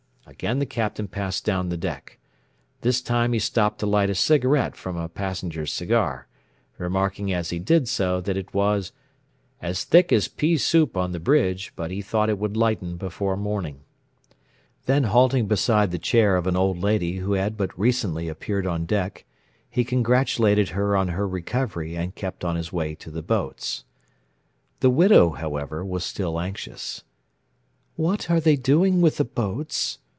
Again the Captain passed down the deck. This time he stopped to light a cigarette from a passenger's cigar, remarking as he did so that it was "as thick as pea soup on the bridge, but he thought it would lighten before morning." Then halting beside the chair of an old lady who had but recently appeared on deck, he congratulated her on her recovery and kept on his way to the boats. The widow, however, was still anxious. "What are they doing with the boats?"